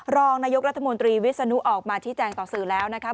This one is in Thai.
รองนายกรัฐมนตรีวิศนุออกมาชี้แจงต่อสื่อแล้วนะครับ